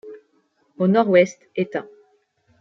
Au nord-ouest Etain.